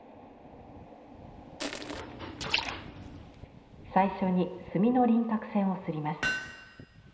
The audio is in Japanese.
最初に墨の輪郭線を摺ります。